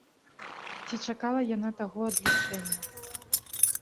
Ці чакала яна таго адлічэння?